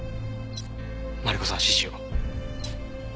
マリコさんは指示を。